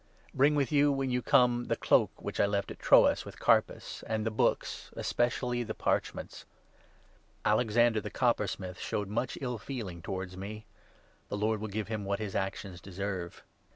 12 Bring with you, when you come, the cloak which I left at 13 Troas with Carpus, and the books, especially the parch ments. Alexander, the coppersmith, showed much ill 14 feeling towards me. 'The Lord will give him what his actions deserve.'